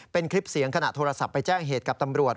เป็นคลิปเสียงขณะโทรศัพท์ไปแจ้งเหตุกับตำรวจ